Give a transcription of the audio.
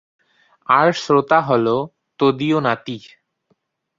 আর শ্রোতা হলো তদীয় নাতি।